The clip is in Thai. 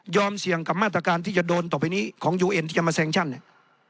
เสี่ยงกับมาตรการที่จะโดนต่อไปนี้ของยูเอ็นที่จะมาแซงชั่นเนี่ย